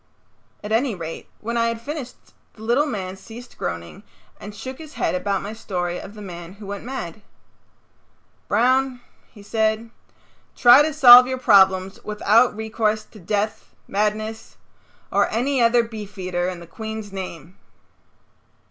At any rate when I had finished the little man ceased groaning and shook his head about my story of the man who went mad. "Broun," he said, "try to solve your problems without recourse to death, madness or any other beefeater in the Queen's name."